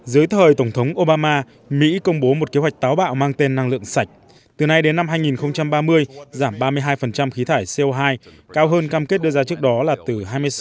dưới thời tổng thống obama mỹ công bố một kế hoạch táo bạo mang tên năng lượng sạch từ nay đến năm hai nghìn ba mươi giảm ba mươi hai khí thải co hai cao hơn cam kết đưa ra trước đó là từ hai mươi sáu